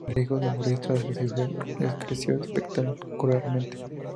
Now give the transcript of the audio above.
El riesgo de morir tras la cirugía decreció espectacularmente.